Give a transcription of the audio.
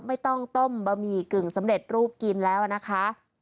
ไม่ต้องต้มบะหมี่กึ่งสำเร็จรูปกินแล้วนะคะ